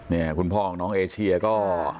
นี่คุณพ่อน้องเอเชียก็